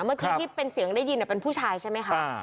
เมื่อกี้ที่เป็นเสียงได้ยินเป็นผู้ชายใช่ไหมคะ